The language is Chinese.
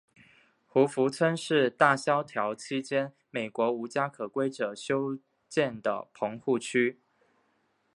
胡佛村是大萧条期间美国无家可归者修建的棚户区。